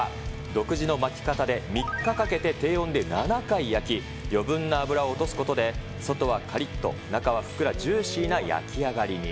独自の巻き方で３日かけて低温で７回焼き、余分な脂を落とすことで、外はかりっと、中はふっくらジューシーな焼き上がりに。